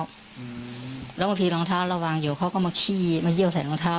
อืมแล้วบางทีรองเท้าเราวางอยู่เขาก็มาขี้มาเยี่ยวใส่รองเท้า